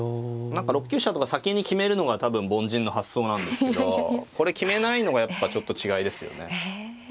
何か６九飛車とか先に決めるのが多分凡人の発想なんですけどこれ決めないのがやっぱちょっと違いですよね。